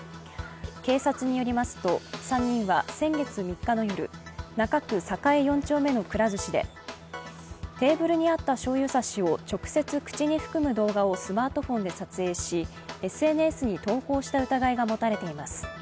警察によりますと、３人は先月３日の夜、中区栄４丁目のくら寿司でテーブルにあったしょうゆ差しを直接、口に含む動画をスマートフォンで撮影しＳＮＳに投稿した疑いが持たれています。